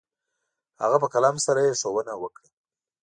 هغه په قلم سره يې ښوونه وكړه.